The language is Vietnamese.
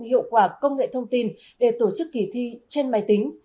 hiệu quả công nghệ thông tin để tổ chức kỳ thi trên máy tính